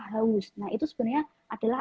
haus nah itu sebenarnya adalah